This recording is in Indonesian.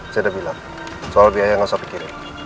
saya udah bilang soal biaya gak usah pikirin